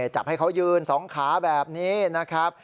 จับให้เขายืน๒ขาแบบนี้นะครับ